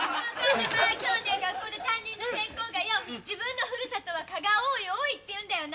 今日ね学校で担任のセンコーがよ自分のふるさとは蚊が多い多いって言うんだよな。